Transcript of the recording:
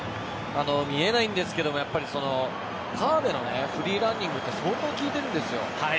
見えないんですが川辺のフリーランニングって相当効いているんです。